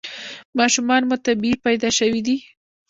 ماشومان مو طبیعي پیدا شوي دي؟